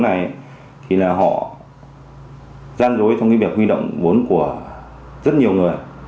này thì là họ gian dối trong cái việc huy động vốn của rất nhiều người